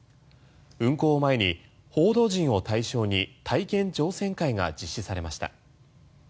運航を前に報道陣を対象に体験乗船会が実施されました。